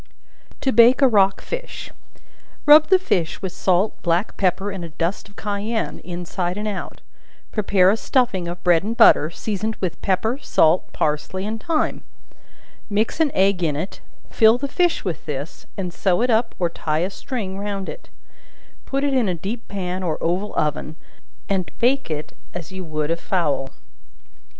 To Bake a Rock Fish. Rub the fish with salt, black pepper, and a dust of cayenne, inside and out; prepare a stuffing of bread and butter, seasoned with pepper, salt, parsley and thyme; mix an egg in it, fill the fish with this, and sew it up or tie a string round it; put it in a deep pan, or oval oven and bake it as you would a fowl.